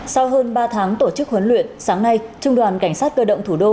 sau hơn ba tháng tổ chức huấn luyện sáng nay trung đoàn cảnh sát cơ động thủ đô